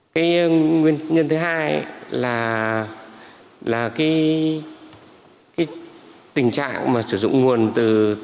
cái nguyên nhân thứ hai là cái tình trạng mà sử dụng nguồn từ